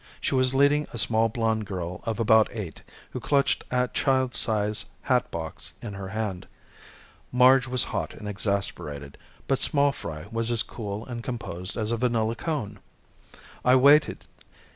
She was leading a small blonde girl of about eight, who clutched a child size hatbox in her hand. Marge was hot and exasperated, but small fry was as cool and composed as a vanilla cone. I waited.